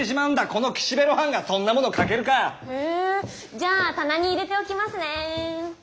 じゃあ棚に入れておきますねー。